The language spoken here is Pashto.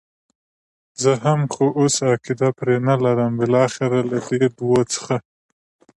زه هم، خو اوس عقیده پرې نه لرم، بالاخره له دې دوو څخه.